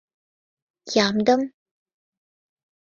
— Ямдым?